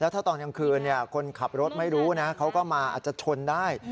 แล้วถ้าตอนยังคืนเนี่ยคนขับรถไม่รู้นะเขาก็มาอาจจะชนได้